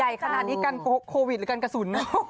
ใหญ่ขนาดนี้การโควิดและการกระสุน